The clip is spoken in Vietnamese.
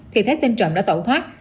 thì thấy tên trộm đã tẩu thoát